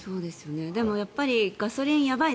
でもやっぱりガソリンやばい！